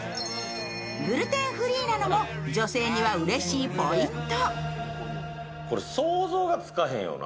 グルテンフリーなのも女性にはうれしいポイント。